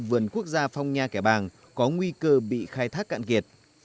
vườn quốc gia phong nha kẻ bàng có nguy cơ bị khai thác cạn kiệt